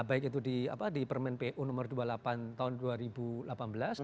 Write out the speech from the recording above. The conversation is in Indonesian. baik itu di permen pu nomor dua puluh delapan tahun dua ribu delapan belas